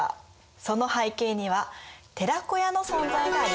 その背景には「寺子屋」の存在があります。